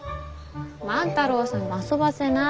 万太郎さんも遊ばせない。